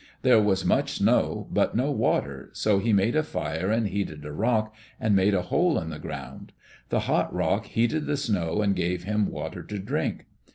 There was much snow but no water so he made a fire and heated a rock, and made a hole in the ground. The hot rock heated the snow and gave him water to drink.